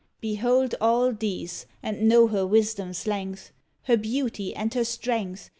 Behold all these and know her wisdom's length, Her beauty and her strength.